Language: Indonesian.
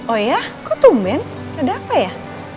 oh iya kok tumben gak ada apa ya